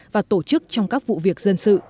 và tổ chức trong các vụ việc dân sự